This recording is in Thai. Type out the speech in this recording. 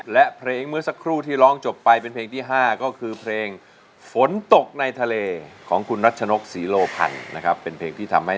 และเพลงที่๕มูลค่า๘๐๐๐๐บาท